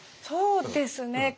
そうですね。